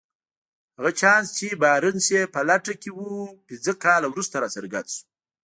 هغه چانس چې بارنس يې په لټه کې و پنځه کاله وروسته راڅرګند شو.